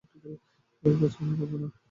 ওকাজ আমি করব না।